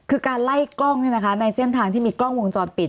คือการไล่กล้องนี่นะคะในเสียงทางที่มีกล้องวงจรปิด